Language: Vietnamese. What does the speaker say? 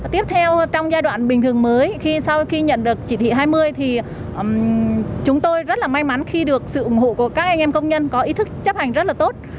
tiếp theo trong giai đoạn bình thường mới khi sau khi nhận được chỉ thị hai mươi thì chúng tôi rất là may mắn khi được sự ủng hộ của các anh em công nhân có ý thức chấp hành rất là tốt